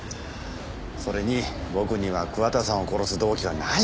それに僕には桑田さんを殺す動機はないですよ